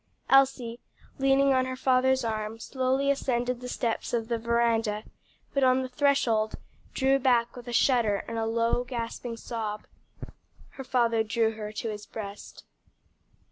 Elsie, leaning on her father's arm, slowly ascended the steps of the veranda, but on the threshold drew back with a shudder and a low, gasping sob. Her father drew her to his breast.